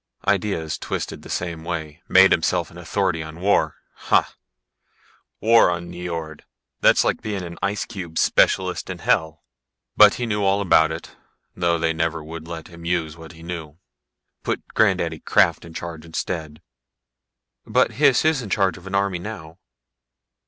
Ideas twisted the same way. Made himself an authority on war. Hah! War on Nyjord that's like being an ice cube specialist in hell. But he knew all about it, though they never would let him use what he knew. Put granddaddy Krafft in charge instead." "But Hys is in charge of an army now?"